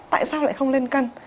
tại sao lại không lên cân